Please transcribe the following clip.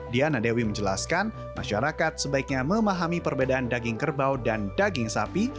diana dewi menjelaskan masyarakat sebaiknya memahami perbedaan daging kerbau dan daging sapi